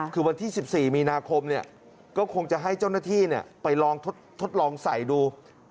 คือวันที่๑๔มีนาคมก็คงจะให้เจ้าหน้าที่ไปลองทดลองใส่ดู